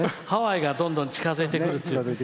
ハワイがどんどん近づいてくる。